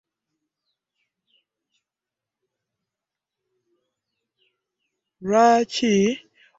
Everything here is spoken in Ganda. Lwaki oyitiriza okuza emisango ennaku zino?